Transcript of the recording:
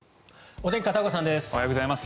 おはようございます。